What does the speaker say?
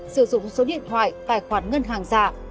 sử dụng số điện thoại tài khoản ngân hàng giả